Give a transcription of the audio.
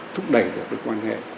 thúc đẩy được cái quan hệ